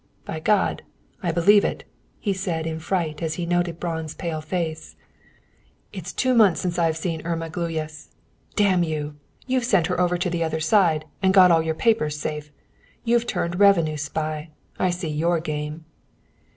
By God! I believe it," he said in fright, as he noted Braun's pale face. "It's two months since I've seen Irma Gluyas. Damn you! You've sent her over to the other side, and got all your papers safe! You've turned revenue spy! I see your game!"